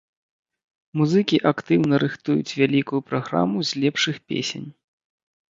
Музыкі актыўна рыхтуюць вялікую праграму з лепшых песень.